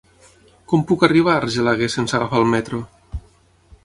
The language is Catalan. Com puc arribar a Argelaguer sense agafar el metro?